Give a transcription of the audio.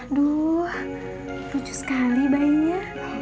aduh lucu sekali bayinya